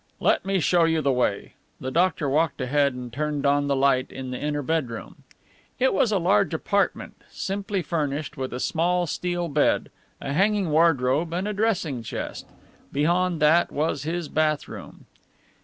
"Let me show you the way." The doctor walked ahead and turned on the light in the inner bedroom. It was a large apartment, simply furnished with a small steel bed, a hanging wardrobe and a dressing chest. Beyond that was his bath room.